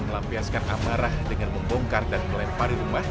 melampiaskan amarah dengan membongkar dan melempari rumah